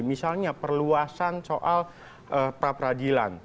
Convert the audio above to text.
misalnya perluasan soal pra peradilan